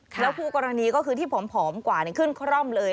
แล้วคู่กรณีก็คือที่ผอมกว่าขึ้นคร่อมเลย